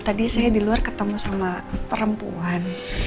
tadi saya di luar ketemu sama perempuan